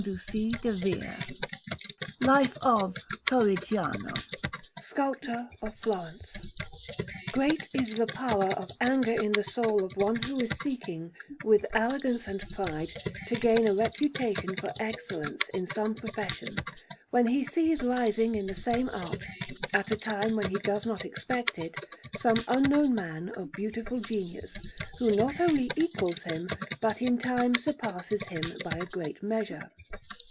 TORRIGIANO LIFE OF TORRIGIANO SCULPTOR OF FLORENCE Great is the power of anger in the soul of one who is seeking, with arrogance and pride, to gain a reputation for excellence in some profession, when he sees rising in the same art, at a time when he does not expect it, some unknown man of beautiful genius, who not only equals him, but in time surpasses him by a great measure.